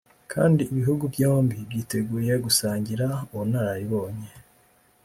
kandi ibihugu byombi byiteguye gusangira ubunararibonye